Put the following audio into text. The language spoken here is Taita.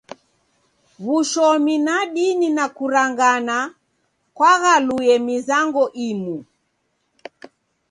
W'ushomi na dini na kuranganakwaghaluye mizango imu.